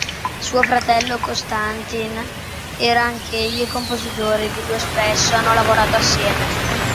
Suo fratello Constantin era anch'egli compositore ed i due spesso hanno lavorato assieme.